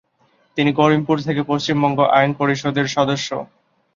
তিনি করিমপুর থেকে পশ্চিমবঙ্গ আইন পরিষদের সদস্য।